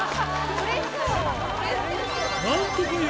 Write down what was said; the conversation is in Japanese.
うれしそう！